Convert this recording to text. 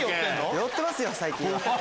寄ってますよ最近は。